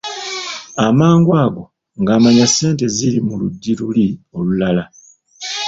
Amangu ago ng'amanya ssente ziri mu luggi luli olulala.